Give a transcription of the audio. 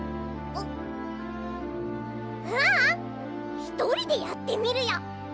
うううんひとりでやってみるよ！